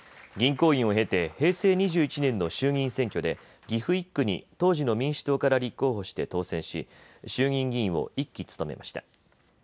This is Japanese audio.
銀行員を経て平成２１年の衆議院選挙で岐阜１区に当時の民主党から立候補して当選し衆議院議員を１期務めました。